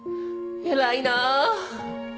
偉いなあ！